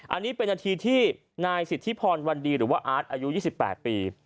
อันนี้เป็นนาทีที่นายสิทธิพรวันดีหรือว่าอาร์ตอายุ๒๘ปี